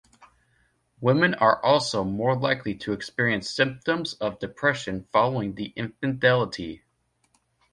Women are also more likely to experience symptoms of depression following the infidelity.